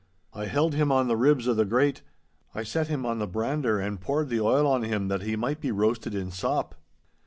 I held him on the ribs o' the grate. I set him on the brander, and poured the oil on him that he might be roasted in sop.